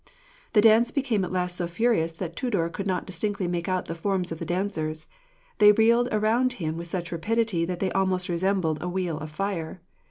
The dance became at last so furious that Tudur could not distinctly make out the forms of the dancers. They reeled around him with such rapidity that they almost resembled a wheel of fire.